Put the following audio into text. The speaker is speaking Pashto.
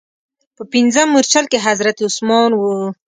په پنځم مورچل کې حضرت عثمان و.